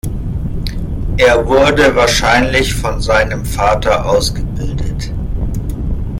Er wurde wahrscheinlich von seinem Vater ausgebildet.